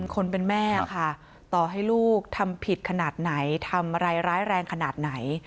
คนเป็นแม่ค่ะต่อให้ลูกทำผิดขนาดไหนทำอะไรร้ายแรงขนาดไหน